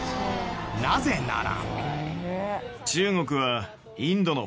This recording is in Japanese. なぜなら。